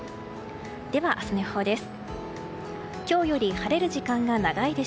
では、明日の予報です。